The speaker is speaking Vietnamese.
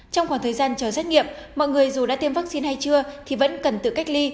trong khoảng thời gian chờ xét nghiệm mọi người dù đã tiêm vaccine hay chưa thì vẫn cần tự cách ly